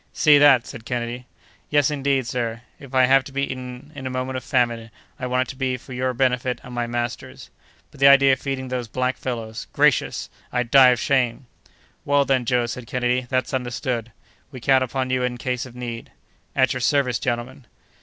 "See that!" said Kennedy. "Yes, indeed, sir; if I have to be eaten, in a moment of famine, I want it to be for your benefit and my master's; but the idea of feeding those black fellows—gracious! I'd die of shame!" "Well, then, Joe," said Kennedy, "that's understood; we count upon you in case of need!" "At your service, gentlemen!"